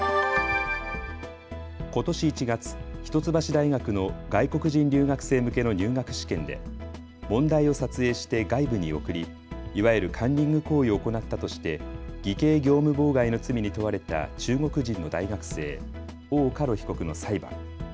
ことし１月、一橋大学の外国人留学生向けの入学試験で問題を撮影して外部に送りいわゆるカンニング行為を行ったとして偽計業務妨害の罪に問われた中国人の大学生、王嘉ろ被告の裁判。